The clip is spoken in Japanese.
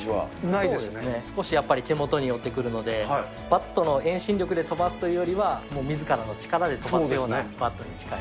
そうですね、少しやっぱり手元に寄ってくるので、バットの遠心力で飛ばすというよりは、もうみずからの力で飛ばすようなバットに近い。